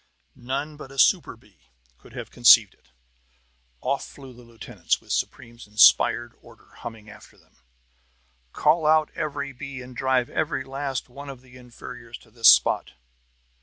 None but a super bee could have conceived it. Off flew the lieutenants, with Supreme's inspired order humming after them: "Call out every bee! And drive every last one of the inferiors to this spot!"